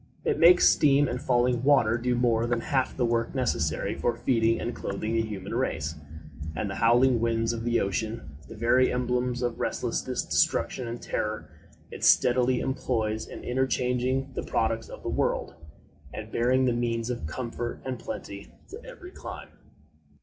It makes steam and falling water do more than half the work necessary for feeding and clothing the human race; and the howling winds of the ocean, the very emblems of resistless destruction and terror, it steadily employs in interchanging the products of the world, and bearing the means of comfort and plenty to every clime.